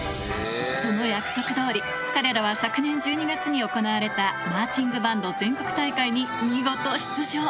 その約束どおり、彼らは昨年１２月に行われたマーチングバンド全国大会に見事出場。